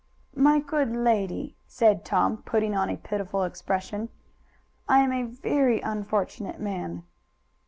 "My good lady," said Tom, putting on a pitiful expression, "I am a very unfortunate man."